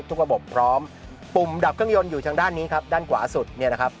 ระบบพร้อมปุ่มดับเครื่องยนต์อยู่ทางด้านนี้ครับด้านขวาสุดเนี่ยนะครับ